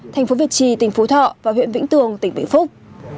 thành phố việt trì tỉnh phú thọ và huyện vĩnh tường tỉnh vĩnh phúc